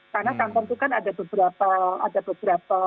karena kantor itu kan ada beberapa